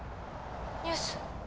ニュース。